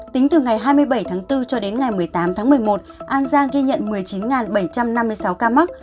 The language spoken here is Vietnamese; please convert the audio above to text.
tính từ ngày hai mươi bảy tháng bốn cho đến ngày một mươi tám tháng một mươi một an giang ghi nhận một mươi chín bảy trăm năm mươi sáu ca mắc